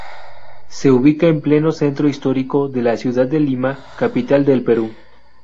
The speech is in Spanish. Se ubica en pleno centro histórico de la ciudad de Lima, capital del Perú.